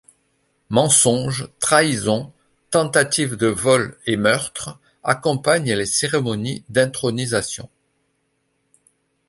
Mensonges, trahisons, tentatives de vols et meurtres accompagnent les cérémonies d’intronisation.